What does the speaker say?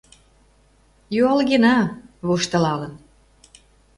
— Юалгена, — воштылалын.